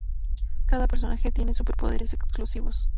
Cada personaje tiene superpoderes exclusivos.